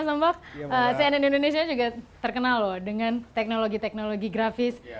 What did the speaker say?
cuma kalau kita lihat